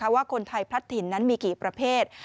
ว่าคนไทยพลัดถิ่นนั้นมีกี่ประเภท